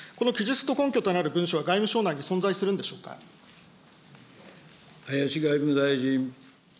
この記述の根拠となる文書は外務林外務大臣。